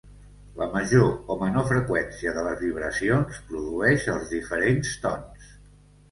La major o menor freqüència de les vibracions produeix els diferents tons.